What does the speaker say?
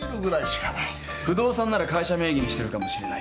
不動産なら会社名義にしてるかもしれない。